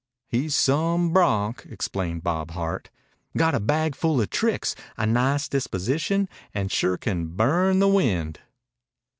"He's some bronc," explained Bob Hart. "Got a bagful of tricks, a nice disposition, and sure can burn the wind."